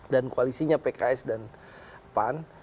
dan koalisinya pks dan pan